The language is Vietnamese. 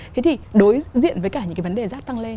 thế thì đối diện với cả những cái vấn đề rác tăng lên